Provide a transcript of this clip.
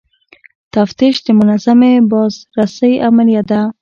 تفتیش د منظمې بازرسۍ عملیه ده.